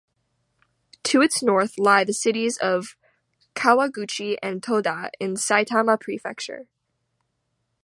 To its north lie the cities of Kawaguchi and Toda in Saitama Prefecture.